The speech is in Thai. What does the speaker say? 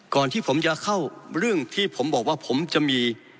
ก่อนที่ผมจะเข้าเรื่องที่ผมบอกว่าผมจะมี